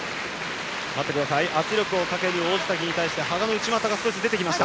圧力をかける王子谷に対して羽賀の内股が出てきた。